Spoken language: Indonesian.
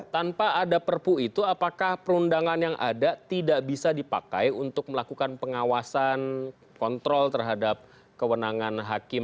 tanpa ada perpu itu apakah perundangan yang ada tidak bisa dipakai untuk melakukan pengawasan kontrol terhadap kewenangan hakim